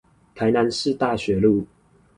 台南市大學路